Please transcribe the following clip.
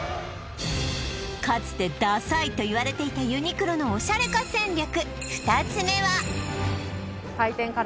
かつてダサいと言われていたユニクロのオシャレ化戦略